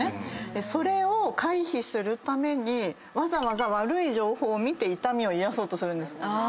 それを回避するためにわざわざ悪い情報を見て痛みを癒やそうとするんです。